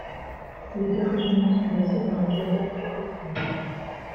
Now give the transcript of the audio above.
Les deux régiments sont basés dans la caserne Carlotto.